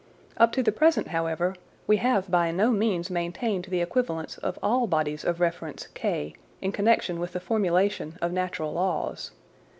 Up to the present, however, we have by no means maintained the equivalence of all bodies of reference K in connection with the formulation of natural laws.